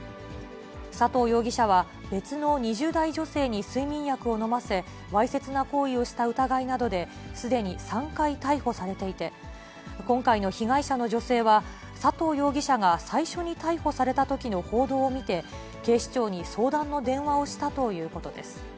佐藤容疑者は、別の２０代女性に睡眠薬を飲ませ、わいせつな行為をした疑いなどで、すでに３回逮捕されていて、今回の被害者の女性は、佐藤容疑者が最初に逮捕されたときの報道を見て、警視庁に相談の電話をしたということです。